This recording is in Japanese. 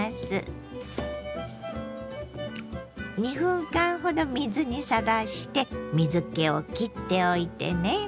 ２分間ほど水にさらして水けをきっておいてね。